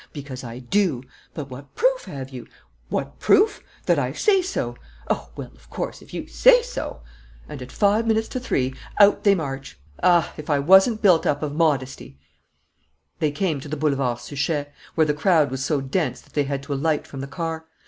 'Because I do.' 'But what proof have you?' 'What proof? That I say so.' 'Oh, well, of course, if you say so!' And, at five minutes to three, out they march. Ah, if I wasn't built up of modesty " They came to the Boulevard Suchet, where the crowd was so dense that they had to alight from the car.